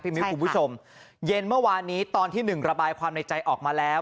มิ้วคุณผู้ชมเย็นเมื่อวานนี้ตอนที่หนึ่งระบายความในใจออกมาแล้ว